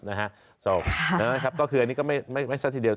นะครับก็คืออันนี้ก็ไม่ซะทีเดียว